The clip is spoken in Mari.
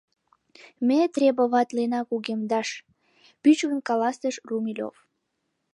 — Ме требоватлена кугемдаш! — пӱчкын каласыш Румелёв.